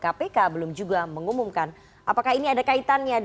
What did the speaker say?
oke terima kasih pak saud